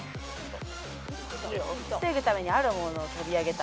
「防ぐためにあるものを取り上げた」